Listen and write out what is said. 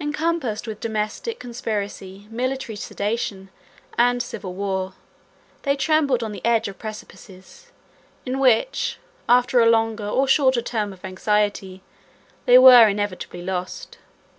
Encompassed with domestic conspiracy, military sedition, and civil war, they trembled on the edge of precipices, in which, after a longer or shorter term of anxiety, they were inevitably lost.